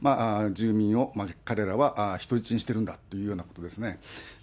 住民を彼らは人質にしているんだというようなことですね。